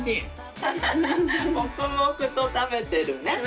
ハハハ黙々と食べてるね。